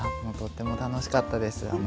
とっても楽しかったです。